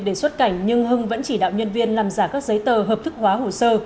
để xuất cảnh nhưng hưng vẫn chỉ đạo nhân viên làm giả các giấy tờ hợp thức hóa hồ sơ